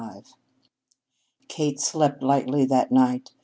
XXV Kate slept lightly that night.